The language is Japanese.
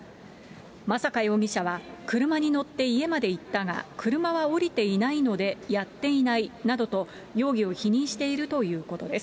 真坂容疑者は、車に乗って家まで行ったが、車は降りていないので、やっていないなどと、容疑を否認しているということです。